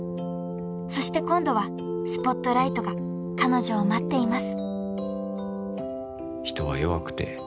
［そして今度はスポットライトが彼女を待っています］